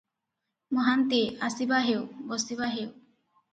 ମହାନ୍ତିଏ- ଆସିବାହେଉ, ବସିବା ହେଉ ।